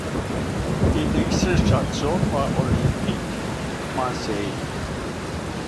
Die nächste Station war Olympique Marseille.